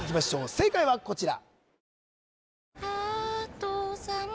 正解はこちら